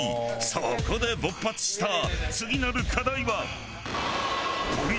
そこで勃発した次なる課題は。